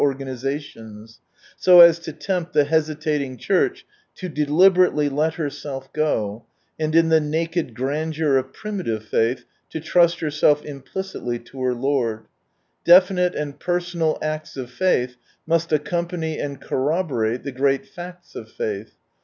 organisations, so as to tempt the hesitating Church to deliberately let herself go, and in the naked grandeur of primitive faith to trust herself implicitly to her Lord. Definite and personal acts of faith must accompany and corroborate the great facts of faith.